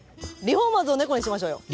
リフォーマーズのネコにしましょうよ！